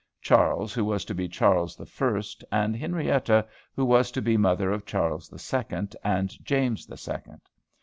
Charles, who was to be Charles the First, and Henrietta, who was to be mother of Charles the Second, and James the Second.